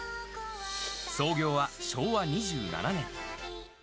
創業は昭和２７年。